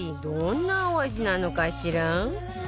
どんなお味なのかしら？